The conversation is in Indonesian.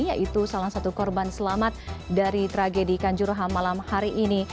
yaitu salah satu korban selamat dari tragedi kanjuruhan malam hari ini